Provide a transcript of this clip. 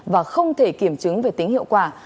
và không thể kiểm chứng về tính hiệu quả